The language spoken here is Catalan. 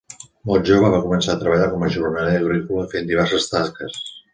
Molt jove va començar a treballar com a jornaler agrícola fent diverses tasques.